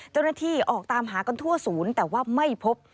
เจ้าหน้าที่ออกตามหากันทั่วศูนย์แต่ว่าไม่พบ